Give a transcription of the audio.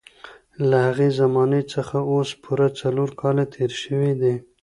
له هغې زمانې څخه اوس پوره څلور کاله تېر شوي دي.